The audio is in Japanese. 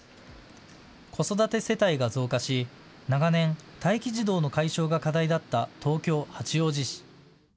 子育て世帯が増加し長年、待機児童の解消が課題だった東京・八王子市。